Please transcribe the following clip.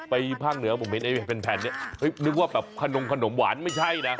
ภาคเหนือผมเห็นไอ้แผ่นนี้นึกว่าแบบขนมขนมหวานไม่ใช่นะ